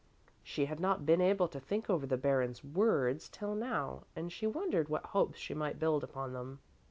She had not been able to think over the Baron's words till now and she wondered what hopes she might build upon them.